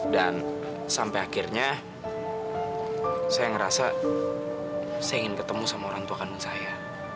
dan sampai akhirnya saya ngerasa saya ingin ketemu sama orang tua kandung saya